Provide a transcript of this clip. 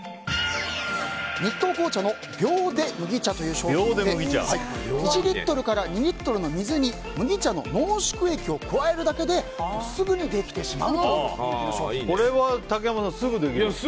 日東紅茶の秒で麦茶という商品で１リットルから２リットルの水に麦茶の濃縮液を加えるだけですぐにできてしまうという人気の商品です。